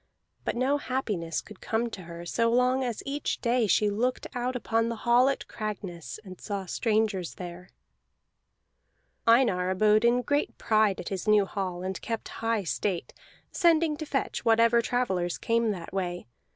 But no happiness could come to her so long as each day she looked out upon the hall at Cragness, and saw strangers there. Einar abode in great pride at his new hall, and kept high state, sending to fetch whatever travellers came that way.